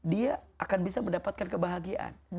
dia akan bisa mendapatkan kebahagiaan